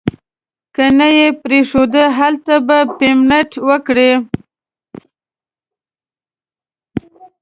که نه یې پرېښود هلته به پیمنټ وکړي.